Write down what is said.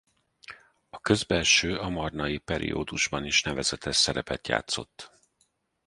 A közbeeső amarnai periódusban is nevezetes szerepet játszott.